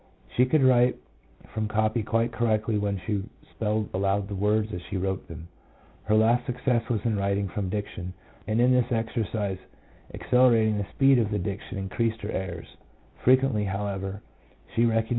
She could write from copy quite correctly when she spelled aloud the words as she wrote them. Her least success was in writing from dictation, and in this exercise accelerating the speed of the dictation increased her errors; frequently, however, she recog nized the errors which she made.